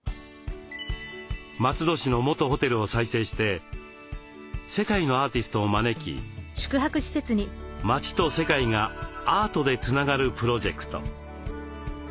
松戸市の元ホテルを再生して世界のアーティストを招き街と世界がアートでつながるプロジェクト。